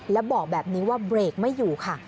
และบอกแบบนี้ว่าเบรกไม่อยู่ค่ะ